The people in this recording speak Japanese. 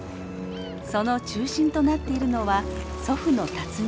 その中心となっているのは祖父の龍己。